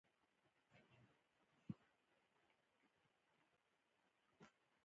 کندهار د افغانانو د اړتیاوو پوره کولو لپاره یوه وسیله ده.